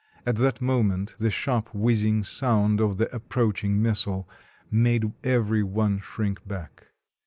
At that moment the sharp whizzing sound of the approaching missile made every one shrink back.